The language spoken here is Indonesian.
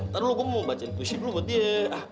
ntar gue mau bacain puisi dulu buat dia